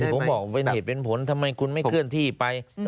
ผมบอกเป็นเหตุเป็นผลทำไมคุณไม่เคลื่อนที่ไป